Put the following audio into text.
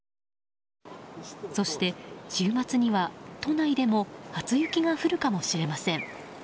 そして、週末には都内でも初雪が降るかもしれません。